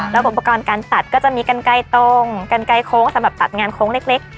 แล้วอุปกรณ์การตัดก็จะมีกันไกลตรงกันไกลโค้งสำหรับตัดงานโค้งเล็ก